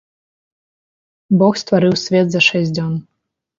Бог стварыў свет за шэсць дзён.